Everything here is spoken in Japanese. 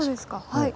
はい。